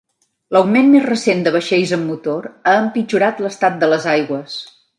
L'augment més recent de vaixells amb motor ha empitjorat l'estat de les aigües.